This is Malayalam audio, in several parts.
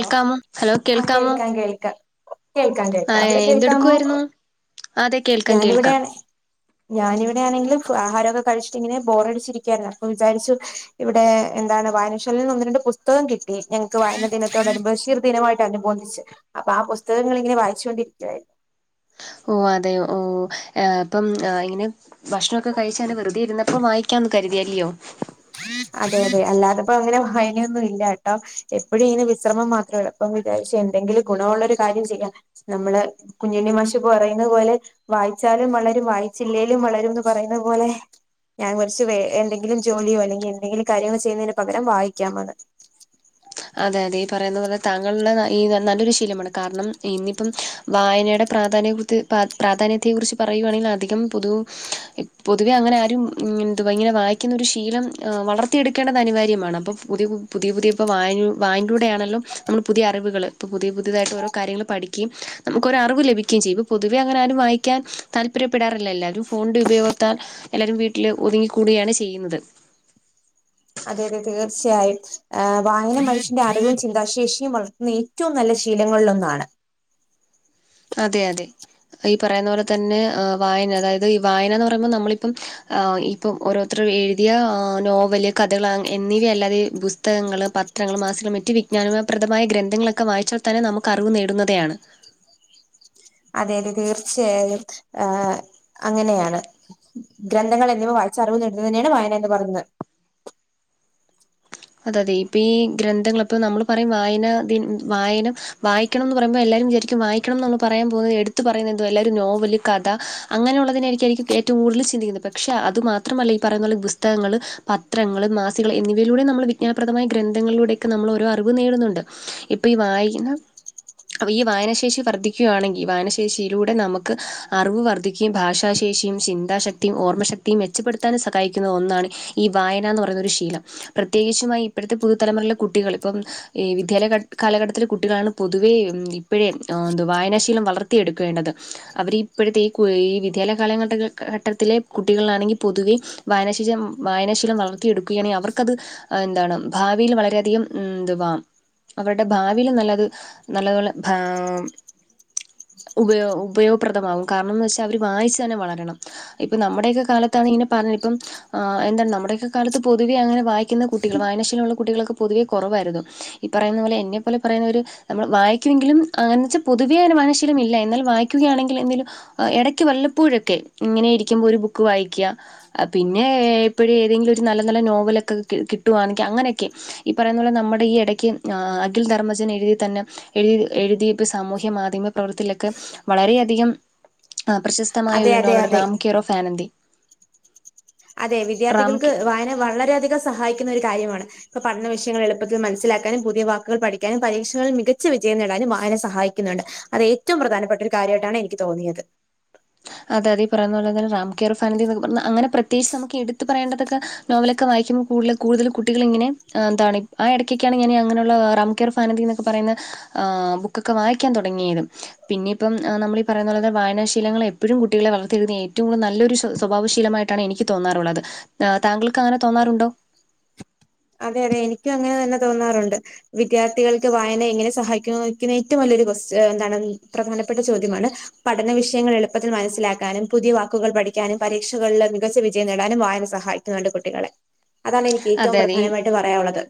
ഹലോ ഹലോ ആ കേൾക്കാമോ കേൾക്കാം കേൾക്കാം കേൾക്കാം ആ കേൾക്കാം അവിടെ കേൾക്കാമോ എന്തെടുക്കുആരുന്നു? അതെ കേൾക്കാം കേൾക്കാം. ഞാൻ ഇവിടെ ആണെങ്കിലും ആഹാരമൊക്കെ കഴിച്ചിട്ട് ഇങ്ങനെ ബോറടിച്ചിരിക്കാരുന്നു അപ്പൊ വിചാരിച്ചു ഇവിടെ എന്താണ് വായനാശാലേന്ന് ഒന്ന് രണ്ട് പുസ്തകം കിട്ടി ഞങ്ങക്ക് വായന ദിനത്തോടനു ബഷീർ ദിനമായിട്ടനുബോന്ധിച്ചു അപ്പൊ ആ പുസ്തകങ്ങളിങ്ങനെ വായിച്ചോണ്ടിരിക്കുയാരു ഓഹ് അതെയൊ ഓ ഏപ്പം ഇങ്ങനെ ഭക്ഷണമൊക്കെ കഴിച്ച് അങ്ങനെ വെറുതെ ഇരുന്നപ്പം വായിക്കാന്ന് കരുതി അല്ലിയോ? അതെ അതെ അല്ലാതെപ്പോ അങ്ങനെ വായനൊന്നും ഇല്ല ട്ടോ എപ്പോഴും ഇങ്ങനെ വിശ്രമം മാത്രേള്. ഇപ്പം വിചാരിച്ച് എന്തെങ്കിലും ഗുണമുള്ളരു കാര്യം ചെയ്യാം നമ്മള് കുഞ്ഞുണ്ണി മാഷ് പറയുന്ന പോലെ വായിച്ചാലും വളരും വായിച്ചില്ലെലും വളരുംന്ന് പറയുന്ന പോലെ ഞാൻ കുറിച്ച് വേ എന്തെങ്കിലും ജോലിയോ അല്ലെങ്കി എന്തെങ്കിലും കാര്യങ്ങൾ ചെയ്യുന്നതിന് പകരം വായിക്കാ മതെ അതെ അതെ ഈ പറയുന്നപോലെ താങ്കളുടെ ഈ നല്ലൊരു ശീലമാണ് കാരണം ഇന്നിപ്പം വായനയുടെ പ്രാധാന്യ കുത്ത് പ പ്രാധാന്യത്തെ കുറിച്ച് പറയുആണെങ്കിൽ അധികം പൊതു പൊതുവെ അങ്ങനെ ആരും എന്തുവ ഇങ്ങനെ വായിക്കുന്നൊരു ശീലം വളർത്തിയെടുക്കേണ്ടത് അനിവാര്യമാണ് അപ്പൊ പുതിവും പുതിയ പുതിയ ഇപ്പം വായനും വായിന്റുടെയാണല്ലോ നമ്മള് പുതിയ അറിവുകൾ ഇപ്പ പുതിയ പുതിയതായിട്ട് ഓരോ കാര്യങ്ങൾ പഠിക്കേം നമുക്കൊരറിവ് ലഭിക്കേം ചെയ്യും ഇപ്പ പൊതുവെ അങ്ങനാരും വായിക്കാൻ താൽപര്യപെടാറില്ലല്ലാ എല്ലാവരും ഫോണിന്റെ ഉപയോഗത്താൽ എല്ലാരും വീട്ടില് ഒതുങ്ങിക്കൂടുകയാണ് ചെയ്യുന്നത് അതെ അതെ തീർച്ചയായും വായന മനുഷ്യന്റെ അറിവും ചിന്താശേഷിയും വളർത്തുന്ന ഈ ഏറ്റോം നല്ല ശീലങ്ങളിലൊന്നാണ് അതെ അതെ ഈ പറയുന്ന പോലെ തന്നെ വായന അതായത് ഈ വായന എന്ന് പറയുമ്പോൾ നമ്മളിപ്പം ഇ ഇപ്പം ഓരോത്തരും എഴുതിയ നോവല് കഥകൾ എന്നിവയല്ലാതെ പുസ്തകങ്ങള് പ ത്രങ്ങളും മാസികളും മറ്റി വിജ്ഞാനപ്രദമായ ഗ്രന്ഥങ്ങളൊക്കെ വായിച്ചാൽ തന്നെ നമുക്ക് അറിവ് നേടുന്നതെയാണ് അതെ അതെ തീർച്ചയായും ആ് അങ്ങനെയാണ് ഗ്രന്ഥങ്ങൾ എന്നിവ വായിച്ചറിവ് നേടുന്നതിന്നെയാണ് വായന എന്ന് പറയുന്നത് അതെ അതെ ഇപ്പൊ ഈ ഗ്രന്ഥങ്ങൾ ഇപ്പ നമ്മൾ പറയും വായന ദിൻ വായന വായ് ക്കണംന്ന് പറയുമ്പോ എല്ലാരും വിചാരിക്കും വായിക്കണം എന്ന പറയാൻ പോന്നേ എടുത്ത് പറയുന്നതെന്തുവാ എല്ലാരും നോവല് കഥ അങ്ങനെയുള്ളതിനാരിക്കും ഏറ്റവും കൂടുതൽ ചിന്തിക്കുന്നത് പക്ഷേ അതു മാത്രമല്ല ഈ പറയുന്ന പോലെ പുസ്തകങ്ങള് പത്രങ്ങള് മാസികൾ എന്നിവയിലൂടെ നമ്മൾ വി ജ്ഞാപ്രദമായ ഗ്രന്ഥങ്ങളിലൂടെയൊക്കെ നമ്മൾ ഓരോ അറിവ് നേടുന്നുണ്ട് ഇപ്പൊ ഈ വായിന ഈ വായനശേഷി വർധിക്കുയാണെങ്കി വായനശേഷിയിലൂടെ നമുക്ക് അറിവ് വർദ്ധി ക്കേം ഭാഷാശേഷിയും ചിന്താശക്തിയും ഓർമ്മ ശക്തിയും മെച്ചപ്പെടുത്താൻ സകായിക്കുന്ന ഒന്നാണ് ഈ വായന എന്ന് പറയുന്നൊരു ശീലം പ്രത്യേകിച്ചുമായി ഇപ്പോഴത്തെ പുതുതലമുറയിലെ കുട്ടികൾ ഇപ്പം ഈ വിദ്യാലയ കാലഘട്ടത്തിലെ കുട്ടികളാണ് പൊതുവേ ഇപ്പോഴേ എ വായനാശീലം വളർ ത്തി എടുക്കേണ്ടത് അവർ ഇപ്പോഴത്തെ ഈ ഈ വിദ്യാലയ കാലഘട്ട ഘട്ടത്തിലെ കുട്ടികളാണെങ്കിൽ പൊതുവെ വായനശീലം വായനശീലം വളർത്തിയ എടുക്കുകയാണെങ്കിൽ അവർക്കത് എന്താണ് ഭാവിയിൽ വളരെയധികം ഇതു വം അവരുടെ ഭാവിൽ നല്ലത് നല്ലതുോലെ ഭ ഉപയ ഉപയോഗപ്രദമാകും കാരണംന്ന് വെച്ചാൽ അവര് വായിച്ചു തന്നെ വളരണം ഇപ്പൊ നമ്മുടെയൊക്കെ കാലത്താണ് ഇങ്ങനെ പറഞ്ഞത് ഇപ്പം എന്താണ് നമ്മുടെയൊക്കെ കാലത്ത് പൊതുവെ അങ്ങനെ വായിക്കുന്ന കുട്ട കുട്ടികൾ വായനശീന ഉുള്ള കുട്ടികൊക്കെ പൊതുവേ കുറവായിരുന്നു ഈ പറയുന്ന പോലെ എന്നെ പോലെ പറയുന്ന ഒരു നമ്മൾ വായിക്കുമെങ്കിലും അങ്ങനെ പൊതുവേ മനശീലമ ഇല്ല എന്നാൽ വായിക്കുകയാണെങ്കിൽ എന്തേങ്കിലും ഇടയ്ക്ക് വല്ലപ്പോഴൊക്കെ ഇങ്ങനെ ഇരിക്കുമ്പോ ഒരു ബുക്ക് വായിക്കുക പിന്നെ എ പ്പോഴ ഏതെങ്കിലും ഒരു നല്ല നല്ല നോവൽ ഒകെകിട്ടി കിട്ടുവാണെങ്കിൽ അങ്ങനെയൊക്കെ ഈ പറയുന്ന പോലെ നമ്മുടെ ഈ ഇടയ്ക്ക് അഖിൽ ധർമ്മജൻ എഴുതി തന്നെ എഴുതി എഴുതിപ്പ് സാമൂഹ്യ മാധ്യമ പ്രവർത്തിയിലൊക്കെ വളരെയധികം പ്രശസ്തി മമായ അതെ ഒരു അതെ നോളുടെ അതെ റാംകെറോഫ് ആനന്ദി അതെ റാം വിദ്യാർത്ഥികൾക്ക് കെ വായന വളരെയധികം സഹായിക്കുന്ന ഒരു കാര്യമാണ് ഇപ്പൊ പഠന വിഷയങ്ങൾ എളുപ്പത്തിൽ മനസ്സിലാക്കാനും പുതിയ വാക്കുകൾ പഠിക്കാനും പരീക്ഷകളിൽ മികച്ച വിജയം നേടാനും വായനെ സഹായിക്കുന്നുണ്ട് അത് ഏറ്റവും പ്രധാനപ്പെട്ട ഒരു കാര്യമായിട്ടാണ് എനിക്ക് തോന്നിയത് അതെത പറുന്ന പോലെ റാം കേറോഫ് ആനന്ദി പറ അനെ പ്രത്യേകിച്ച് നമുക്ക് എടുത്ത് പറേണ്ടതൊക്കെ നോവലൊക്കെ വായിക്കുമ്പോൾ കൂടുത കൂടുതൽ കുട്ടികൾിങ്ങനെ എന്താണ് ആ ഇടക്കാണ് ഞാൻ അങ്ങനുള്ള റംകർ ഫാനതി എന്നൊക്കെ പറയുന്നത് ആ ബുക്കൊക്കെ വായിക്കാൻ തുടങ്ങിയത് പിന്ന ഇപ്പ നമ്മൾ ഈ പറയുന്നുുള്ളത് വായനാശീലങ്ങളെ ഇപ്പോഴും കുട്ടികള വളർത്തിത്തെഴുതി ഏറ്റവും നല്ലൊരു സ്വഭാവശീലമായിട്ടാണ്നിക്ക് തോന്നാറുള്ളത് ആ താങ്കൾക്ക് അങ്ങനെ തോന്നാറുണ്ടോ അതെ അതെ എനിക്കും അങ്ങനെ തന്നെ തോന്നാറുണ്ട് വിദ്യാർത്ഥികൾക്ക് വായന എങ്ങനെ സഹായിക്കുമോക്കുന്ന ഏറ്റവും വലിയൊരു എന്താണ് പ്രധാനപ്പെട്ട ചോദ്യമാണ് പഠന വിഷയങ്ങൾ എളുപ്പത്തിൽ മനസ്സിലാക്കാനും പുതിയ വാക്കുകൾ പഠിക്കാനും പരീക്ഷകളിൽ മികച്ച വിജയം നേടാനും വായന സഹായിക്കും ന്നു ണ്ട് കുട്ടികളെ അതാണ് എനിക്ക് ഏറ്റവും അതെ അതെ പ്രധാനമായിട്ട് പറയാനുള്ളത്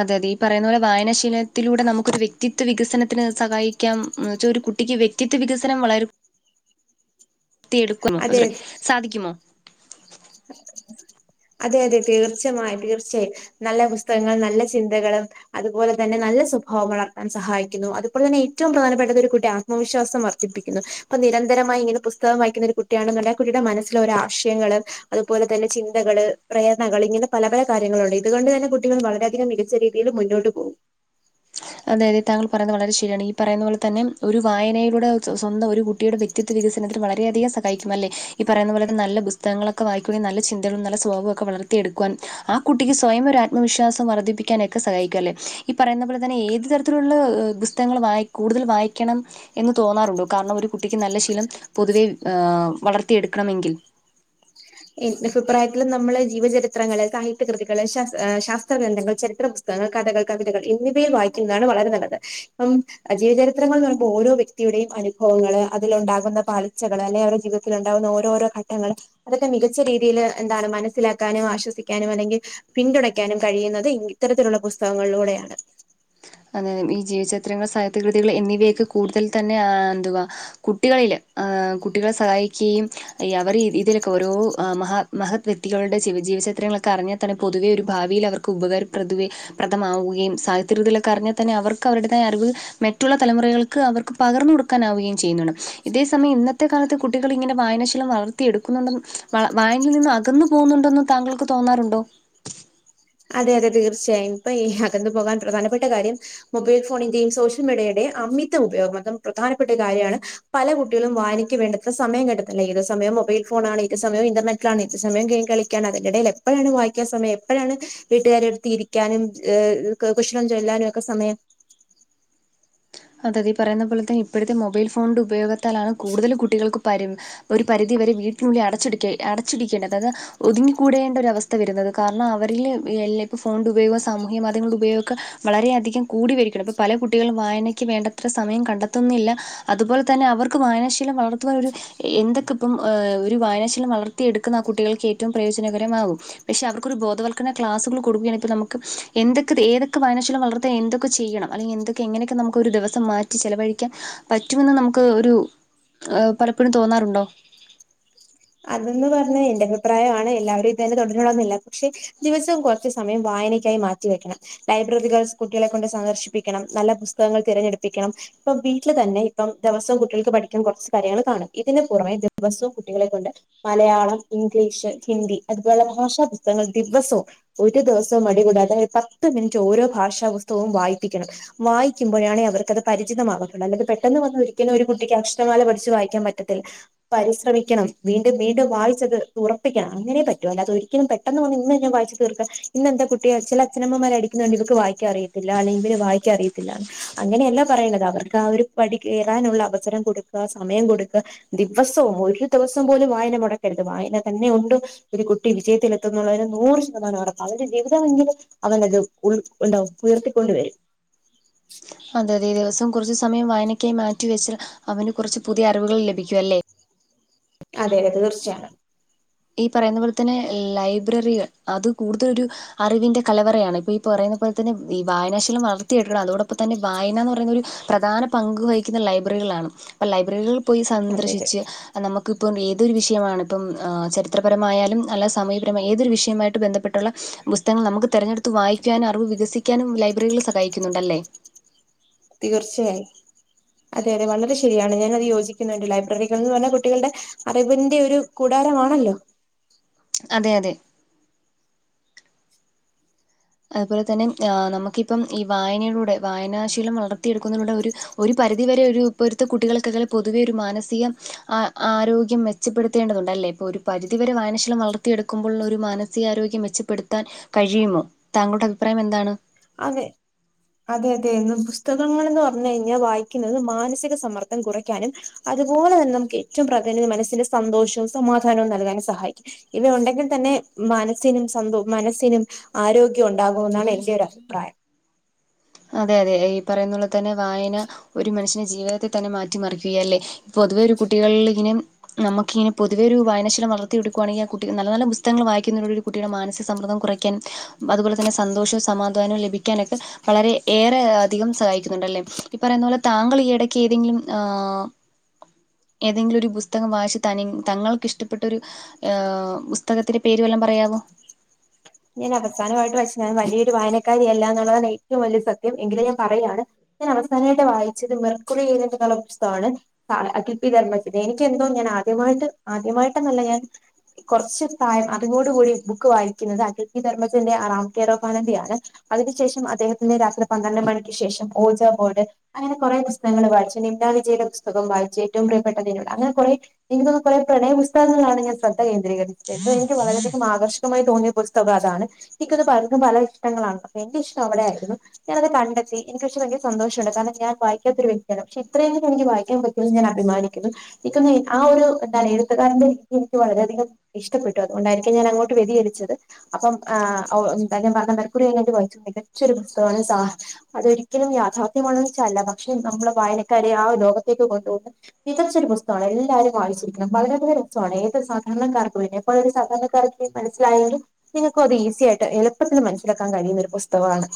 അതെ അതെ ഈ പറയുന്ന പോലെ വായനശീലത്തിലൂടെ നമുക്കൊരു വ്യക്തിത്വ വികസനത്തിന് സഹായിക്കാം അത് ഒരു കുട്ടിക്ക് വ്യക്തിത്വ വികസനംവളരുമ്പോ വളർത്തി എടുക്കുന്നു അതെ സോറി സാധിക്കുമോ അതെ അതെ തീർച്ചമായും തീർച്ചയായും നല്ല പുസ്തകങ്ങൾ നല്ല ചിന്തകള് അതുപോലെ തന്നെ നല്ല സ്വഭാവം വളർത്താൻ സഹായിക്കുന്നു അതുപോലെ തന്നെ ഏറ്റവും പ്രധാനപ്പെട്ട ഒരു കുട്ടി അത് ആത്മവിശ്വാസം വർദ്ധിപ്പിക്കുന്നു ഇപ്പൊ നിരന്തരമായി ഇങ്ങനെ പുസ്തകം വായിക്കുന്ന ഒരു കുട്ടിയണെന്നുള്ള ആ കുട്ടിയുടെ മനസ്സിൽ ഓരോ ആശയങ്ങള് അതുപോലെ തന്നെ ചിന്തകൾ പ്രേരണകൾ ഇങ്ങനെ പല കാര്യങ്ങളുണ്ട് ഇതുകൊണ്ട് തന്നെ കുട്ടികൾ വളരെയധികം മികച്ച രീതിയിൽ രീതിയിൽ മുന്നോട്ട് പോകും അതെ അതെ താങ്കൾ പറയുന്നത് വളരെ ശരിയാണ് ഈ പറുന്ന പോലെ തന്നെ ഒരു വായനയിലൂടെ സ്വന്തം ഒരു കുട്ടിയുടെ വ്യക്തി വ്യക്തിത്ത വികസനത്തിന് വളരെയധികം സഹായിക്കുമല്ല ഈപറയുന്ന പോലെ നല്ല പുസ്തകങ്ങളൊക്കെ വായിക്കണെ നല്ല ചിന്തകള്ളൊക്കെ നല്ല സ്വഭാവമൊക്കെ വളരും വളർത്തി എടുക്കുവാൻ ആ കുട്ടിക്ക് സ്വയം ഒരത്മവിശ്വാസം വർദ്ധിപ്പിക്കാനൊക്കെ സഹായിക്കൊല്ലേ ഈ പറയുന്ന ങ്ങനെ ഏതു തരത്തിലുള്ള പുസ്തകങ്ങൾ വായി കൂടുതൽ വായിക്കണം എന്ന് തോന്നാറുണ്ടോ കാരണം ഒരു കുട്ടിക്ക് നല്ല ശീലം പൊതുവെ വളർത്തിയ എടുക്കണമെങ്കിൽ എന് അഭിപ്രായത്തില് നമ്മള് ജീവചരിത്രങ്ങൾ സാഹിത്യകൃതികൾ ശാസ്ത്ര ഗ്രഥങ്ങൾ ചരിത്ര പുസ് പുസ്തകങ്ങൾ കഥകൾ കവിതകൾ എന്നിവയിൽ വായിക്കുന്നതാണ് വളരെ നല്ലത് ഇപ്പം ജീവചരിത്രങ്ങൾന്ന് വരുമ്പോ ഓരോ വ്യക്തിയുടെയും അനുഭവങ്ങൾ അതിലണ്ടകുന്ന പളിച്ചകൾ അല്ലെങ്കി അവരുടെ ജീവിത ത്തില ഉണ്ടാവുന്ന ഓരോരോ ഘട്ടങ്ങൾ അതൊക്കെ മികച്ച രീതിയിൽ എന്താണ് മനസ്സിലാക്കാനും ആശ്വസിക്കാനും അല്ലെങ്കിൽ പിന്തുണയ്ക്കാനും കഴിയുന്നത് ഇത്തരത്തിലുള്ള പുസ്തകങ്ങളിലൂടെയാണ് അ ഈ ജീവചിത്രങ്ങൾ സാഹിത്യകൃതികൾ എന്നിവയൊക്കെ കൂടുതൽ തന്നെ എന്തുവാ കുട്ടികളില് കുട്ടികളെ സഹായിക്കുകയും ഈ അവർ ഇതിലൊക്കെ ഓരോ മഹാ മഹത് വ്യക്തികളുടെ ജീവചിത്രങ്ങളൊക്കെ അറിഞ്ഞ തന്നെ പൊതുവേ ഒരു ഭാവിൽ അവർക്ക് ഉപകാരപ്രതുവേ പ്രദമാവുകയും സാഹിത്യകൃതിലൊക്കെറിഞ്ഞാൽ തന്നെ അവർക്ക് അവരുടേതായ അറിവ് മെറ്റുള്ള തലമുറകൾക്ക് അവർക്ക് പകർന്നു കൊടുക്കാനാവുകയും ചെയ്യുന്നുണ് ഇതേ സമയം ഇന്നത്തെ കാലത്ത് കുട്ടികളിങ്ങനെ വായനാശീലം വളർത്തിയെടുക്കുന്നുണ്ടന്ന് വായനില് നിന്ന് അകന്നു പോകുന്നുണ്ടോെന്നും താങ്കൾക്ക് തോന്നാറുണ്ടോ? അതെ അതെ തീർച്ചയായും ഇപ്പെ അകന്നു പോകാൻ പ്രധാനപ്പെട്ട കാര്യം മൊബൈൽ ഫോണിന്റെയും സോഷ്യൽ മീഡിയയുടെയും അമിത ഉപയോഗം അതും പ്രധാനപ്പെട്ട കാര്യമാണ് പല കുട്ടികളും വായനക്ക് വേണ്ടത്ര സമയം കണ്ടെത്തണില്ല ഏത് സമയ മൊബൈൽ ഫോണാണ് ഏത് സയ ഇന്റർനെറ്റാണ് ഏത് സമയ ഗെയിം കളി ക്കാണ് അതിന്റെടെൽ എപ്പെഴാണ് വായിക്കാ സമയം എപ്പോഴാണ് വീട്ടുകാരെട്ത്തിരിക്കാനും ഏഹ് കുശലം ചൊല്ലാനും ഒക്കെ സമയം അതെ തെ ഈ പറയുന്ന പോലെത്തെ ഇപ്പെഴത്തെ മൊബൈൽ ഫോണിന്റെ ഉപയോഗത്താലാണ് കൂടുതൽ കുട്ടികൾക്ക് പരി ഒരു പരിധി വരെ വീട്ടിനുള്ളി അടച്ചിടിക്ക് അടച്ചിടീക്കേണ്ടത് അതാത് ഒതിങ്ങിക്കൂടേണ്ട ഒരവസ്ഥ വരുന്നത് കാരണം അവരിൽ എല്ല ഇപ്പ ഫോണിന്റ ഉപയോഗവു സാമൂഹ്യ മാധ്യമങ്ങളുടെ ഉപയോഗക്കെ വളരെയധികം കൂടി വരിക്ക്ണ് പ്പൊ പല കുട്ടികളും വായനയ്ക്ക് ക്ക് വേണ്ടത്ര സമയം കണ്ടെത്തുന്നില്ല അതുപോലെ തന്നെ അവർക്ക് വായനശീലം വളർത്തുന്നൊരു എന്തൊക്കെപ്പം ഏ ഒരു വായനശീലം വളർത്തിയടുക്കുന്ന ആ കുട്ടികൾക്ക് ഏറ്റവും പ്രയോജനകരമാവും. പക്ഷെ അവർക്കൊരു ബോധവൽക്കര ക്ലാസുകൾ കൊടുകയാണെങ്കിൽ നമുക്ക് എന്തൊക്ക് ഏതൊക്കെ വായനാശീല വളർത്തു പ്പോ എന്തൊക്ക ചെയ്യണം അല്ലെങ്കി എന്തൊ ക്ക എനെയെക്കെ നമ്മ്ക്ക് ക്കൊരു ദവസം മാറ്റി ചെലവഴിക്കാൻ പറ്റുമെന്ന് നമുക്ക് ഒരു എ പലപ്പോഴും തോന്നാറുണ്ടോ? അതന്നെ പറഞ്ഞെ ന്റെ അഭിപ്രായാണ് എല്ലാവരും ഇതന്നെ തുടരണന്നില്ല പക്ഷെ ദിവസവും കോർച്ച് കോർച്ച് സമയം വായനയ്ക്കായി മാറ്റി വെക്കണം ലൈബ്രറികൾ കുട്ടികളെ കൊണ്ട് സന്ദർശിപ്പിക്കണം നല്ല പുസ്തകങ്ങൾ തിരഞ്ഞെടുപ്പിക്കണം ഇപ്പം വീട്ടിൽ തന്നെ ഇപ്പം ദെവസും കുട്ടികൾക്ക് പഠിക്കാൻ കുറച്ച് കാര്യങ്ങൾ കാണ ഇതിന് പുറമേ ദിവസും കുട്ടികളെക്ക കൊണ്ട് മലയാളം, ഇംഗ്ലീഷ്, ഹിന്ദി അതുപോലെ ഭാഷാ പുസ്തകങ്ങൾ ദിവസവും. ഒരു ദിവസം മടികൂടാതെ പത്ത് മിൻറ്റ് ഓരോ ഭാഷാ പുസ്തകവും വായിപ്പിക്കണം. വായിക്കുമ്പോഴാണെ അവർക്കത് പരിചിതമാവത്തൊള്ളൂ അല്ലെത് പെട്ടെന്ന് വന്നു ഒരിക്കലും ഒരു കുട്ടിക്ക് അക്ഷരമാല പഠിച്ച് വായിക്കാൻ പറ്റത്തില്ല. പരിസ്രമിക്കണം വീണ്ടും വീണ്ടും വായിച്ചത് തുറപ്പിക്കണം അങ്ങനെ പറ്റൂ അല്ലാതൊരിക്കലും പെട്ടെന്ന് വന്ന് ഇന്നെ വായിച്ച് തീർക്ക ഇന്നെന്താ കുട്ടിയെ ചെല അച്ഛനമ്മമാര് അടിക്കുന്നണ്ട് ഇവക്ക് വായിക്കാ ന റിയത്തില്ല ഇവന് വായിക്കാന റിയത്തില്ലാന്ന്. അങ്ങനെയല്ല പറയേണ്ടത് അവർക്ക് ആ ഒരു പടി കയറാനുള്ള അവസരം കൊടുക്ക സമയം കൊടുക്ക. ദിവസവും ഒരു ദിവസം പോലും വായന മുടക്കരുത് വായന തന്നെ ഉണ്ട് ഒരു കുട്ടി വിജയത്തിലത്തുന്ന കാര്യം നൂറ് ശതമാനം ഉറപ്പ അവര്ടെ ജീവിതമെങ്കിലും അവനത് ഉൾ ഉണ്ടോ ഉയർത്തിക്കൊണ്ട് വരും. അതെ അതെ ദിവസം കുറച്ച് സമയം വായനക്കായി മാറ്റി വെച്ചാൽ അവന് കുറച്ച് പുതിയ അറിവുകൾ ലഭിക്കും അല്ലേ? അതെ തെ തീർച്ചയാണ്- ഈ പറയുന്ന പോലെ തന്നെ ലൈബ്രറികൾ അത് കൂടുതലൊരു അറിവിന്റെ കലവറയാണ് ഇപ്പ ഈ പറയുന്ന പോലെ തന്നെ ഈ വായനാശീലം വളർത്തിയാട്ടുള്ള അതോടൊപ്പം തന്നെ വായന എന്ന് പറയുന്നൊരു പ്രധാന പങ്ക് വഹിക്കുന്ന ലൈബ്രറികളാണ് അപ്പ ലൈബ്രറികൾ പോയി അതെ അതെ സന്ദർശിച്ച് നമക്ക്പ്പം ഏതൊരു വിഷയമാണ് പ്പം ചെ രിത്രരമായാലും അല്ലാ സമൂഹ്യപരമായ ഏതൊരു വിഷയമായിട്ട് ബന്ധപ്പെട്ടുള്ള പുസ്തങ്ങൾ നമുക് തെരഞ്ഞെടുത്ത് വായിക്കാനും അറിവ് വികസിക്കാനും ലൈബ്രറികൾ സഹായിക്കുന്നുണ്ടല്ലേ? തീർച്ചയായും. അതെ അതെ വളരെ ശരിയാണ് ഞാനത് യോജിക്കുന്നുണ്ട് ലൈബ്രറികൾന്ന് പറഞ്ഞാ കുട്ടികൾടെ അറിവ്ന്റെ ഒരു കൂടാരമാണല്ലോ? അതെ അതെ- അതുപോലെ തന്നെ ആ് നമുക്കിപ്പം ഈ വായനയിലൂടെ വായനാശീലം വളർത്തിയെടുക്കുന്നതിലൂടെ ഒരു- ഒരു പരിധി വരെ ഒരു ഇപ്പോരുത്തെ കുട്ടികൾക്കെ പൊതുവെ ഒരു മാനസിക ആരോഗ്യം മെ ച്ചപ്പെടുത്തേണ്ടതുണ്ടല്ലേ പ്പോരു പരിധി വരെ വായനശീലം വളർത്തിയെടുക്കുമ്പോള്ളൊരു മാനസികാരോഗ്യം മെച്ചപ്പെടുത്താൻ- കഴിയുമോ താങ്കളുടെ അഭിപ്രായം എന്താണ്? അവെ അതെ അതെ ന്ന് പുസ്തകങ്ങളെന്ന് പറഞ്ഞു കഴിഞ്ഞാൽ വായിക്കിന്നത് മാനസിക സമ്മർദ്ദം കുറയ്ക്കാനും- അതുപോലെ ന്നെ നമ്ക്ക് ഏറ്റവും പ്രാധാന്യം മനസ്സിന് സന്തോഷവും സമാധാനവും നൽകാനും സഹായിക്കും. ഇനി ഉണ്ടെങ്കിൽ തന്നെ മനസ്സിനും സന്തോ മനസ്സിനും ആരോഗ്യം ഉണ്ടാകുമെന്നാണ് എന്റെ ഒര പ്രായം. അതെ അതെ ഈ പറയുന്നുള്ള തന്നെ വായന ഒരു മനുഷ്യന്റെ ജീവിതത്തെ തന്നെ മാറ്റിമറിക്കുകയ അല്ലേ? പൊതുവെ ഒരു കുട്ടികളിൽ ഇങ്ങനെ നമുക്കിങ്ങന പൊതുവെ ഒരു വായനശല വളർത്തി എടുക്കുയാണെങ്കിൽ ആ കുട്ട നല്ല പുസ്തകങ്ങ വായിക്കുന്നൊ ഒരു കുട്ടിയുടെ മാനസിക സമ്മർദ്ദം കുറയ്ക്കാനും അതുപോലെ തന്നെ സന്തോഷവും സമാധാനവും ലഭിക്കാനൊക്കെ വളരെ ഏറെ അധികം സഹായിക്കുന്നുണ്ടല്ലേ? ഈ പറയുന്നത് പോലെ താങ്കൾ ഈ ഇടയ്ക്ക് ഏതെങ്കിലും ആഹ് ഏതെങ്കിലും ഒരു പുസ്തകം വായിച്ച് തനി തങ്ങൾക്ക് ഇഷ്ടപ്പെട്ടൊരു ഏഹ് പുസ്തകത്തിന്റെ പേരു എല്ലാം പറയാവോ? ഞാൻ അവസാനമായിട്ട് വൻ വലിയരു വായനക്കാരിയല്ല എന്നുള്ളതാണ് ഏറ്റവും വലിയ സത്യം എങ്കിലും പറയാണ് ഞാൻ അവസാനമായിട്ട് വായിച്ചത് മെർക്കുളി ചെയതന്റെ കലപുസ്തകമാണ്- അപ്പ ർമ്മം ചെയ്ത എനിക്ക് എന്തോ ഞാൻ ആദ്യമായിട്ട് ആദ്യമായിട്ട്ന്നല്ല ഞാൻ കുറച്ച സായം അതുകോടുകൂടി ബുക്ക് വായിക്കുന്നത് അഖൽ പിി ധർമ്മജന്റെ ആറാംകെറോഫാനന്ദിയാണ്- അതിനുശേഷം അദ്ദേഹത്തിന്റെ രാത്രി പന്ത്രണ്ട് മണിക്ക് ശേഷം ഹൊജ ബോർഡ് അങ്ങനെ കുറെ പുസ്തങ്ങങ്ങള് വായിച്ച് നിംന വിജയുടെ പുസ്തകം വായിച്ച് ഏറ്റവും പ്രിയപ്പെട്ടതിനുള്ള അങ്ങനെ കുറെേ എനിക്ക് ത കുറെ പ്രയ പുസ്തകങ്ങളാണ്ഞാ ശ്രദ്ധ കേന്ദ്രകരിത് എനിക്ക് വളരെയധികം ആകർഷകമായി തോന്നിയ പുസ്തക അതാണ് എനിക്കത് പലതും പല ഇഷ്ടങ്ങളാണ് എന്റെ ഇഷ്ടം അവിടെയയിരുന്നു. ഞാനത് കണ്ടെത്തി എനിക്ക് കുറച്ച്യങ്ക സന്തോഷണ്ട് കാരണം ഞാൻായിക്കാത്ത ഒരു വ്യക്തിാണ് പക്ഷെ ഇത്രയുംങ്കും എനിക്ക് വായിക്കൻറ്റും ഞാൻ അഭിമാനിക്കുന്നു എനിക്ക് ഒന്ന് ആ ഒരു തല എഴുത്തുകാരന്റെ രീതി എനിക്ക് വളരെയധികം ഇഷ്ടപ്പെട്ടു അതുകൊണ്ടയിരിക്ക ഞാൻ അങ്ങോട്ട് വ്യതിരിച്ചത്- അപ്പം ആഹ് എന്താൻ പറഞ്ഞ മരക്കുറിായിട്ട് വായിച്ചു മികച്ചൊ ഒരു പുസ്തകമാണ് സ അതൊരിക്കലും യാഥാർത്ഥ്യമാണ വെച്ചാല്ല പക്ഷെ നമ്മള് വായനക്കാരെ ആ ലോകത്തേക്ക് കൊണ്ട പോന്ന് മികച്ചൊരു പുസ്തകമാണ് എല്ലാരരും വായിച്ചിരിക്കണം വളരെയധികം റിചമാണ് ഏത് സാധാരണക്കാർക്ക് പിന്നെ ഒരു സാധാരണക്കാർക്ക് മനസ്സിലായരു നിങ്ങൾക്കു അത് ഈസിിയയിട്ട് എളുപ്പത്തില് മനസ്സിലാക്കാൻ കഴിയുന്നൊ ഒരു പുസ്തകമാണ്.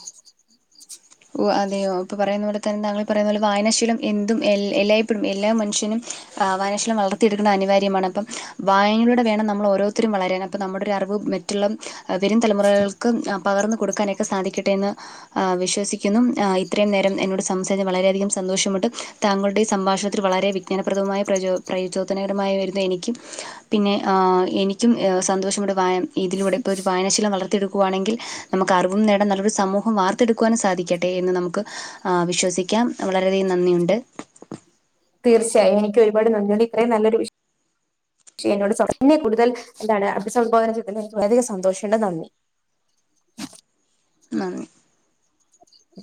ഓ അതെയോ ഇപ്പൊ പറയുന്ന പോലെ തന്നൊങ്കൾ പറയുന്നുന്നത് പോലെ വായനാശീലം എന്തും എ എല്ലായ്പഴും എല്ലാ മനുഷ്യനും വായനാശീലം വളർത്തിയെടുക്കണം അനിവാര്യമാണ് അപ്പം വായനലൂടെ വേണം നമ്മൾ ഓരോരുത്തരും വളരൻ അപ്പോൾ നമ്മുടെ ഒരു അറിവ് മറ്റുള്ള വരും തലമുറകൾക്ക് പകർന്ന് കൊടുക്കാനൊക്കെ സാധിക്കട്ടെ എന്ന് വിശ്വസിക്ക ക്കുന്നു. ഇത്രയും നേരം എന്നോട് സംസാരിച്ച് വളരെയധികം സന്തോഷമുണ്ട്‌. താങ്കളുടെ ഈ സംഭാഷണത്തിൽ വളരെ വി ജഞനപ്രദമായ പ്രചോ പ്രചോദനകരമായി വരുന്ന എനിക്കും, പിന്നെ ഏഹ് എനിക്കും സന്തോഷം ഉണ്ട്. വായ ഇതിലൂടെ ഇപ്പോൾ ഒരു വായനശിലം വളർത്തിയടുക്കുയാണെിൽ, നമ്മുക്ക് അറിവും നേടാം. നല്ലൊരു സമുഹം വാർത്തെടുക്കാനും സാധിക്കും. സാധിക്കട്ടെ എന്ന് നമുക്ക് വിശ്വസിക്കാം. വളരെയധികം നന്ദിയുണ്ട്. തീർച്ചയായും എനിക്ക് ഒരുപാട് നന്ദിയുണ്ട്. ഇത്രയും നല്ലൊരു വി [unintelligible] [unintelligible] കൂടുതൽ എന്താണ് അഭിസംബോധന ചെയ്തതിന് എനിക്ക് വളരെ അധികം സന്തോഷമുണ്ട്. നന്ദി. അെ ഉം